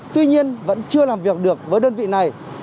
tuy nhiên vẫn chưa làm việc được với đơn vị này